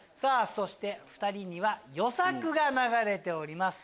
そして２人には『与作』が流れております。